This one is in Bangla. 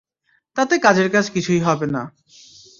তাতে কাজের কাজ কিছুই হবে না!